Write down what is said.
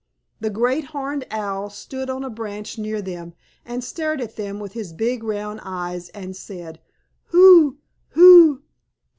The Great Horned Owl stood on a branch near them, and stared at them with his big round eyes, and said, "Who? Who?